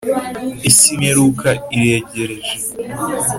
Ese imperuka iregereje